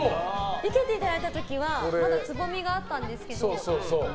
生けていただいたときはまだつぼみがあったんですけど。